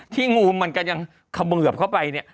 ที่งูมันกำเงิบเข้าไปเนี่ย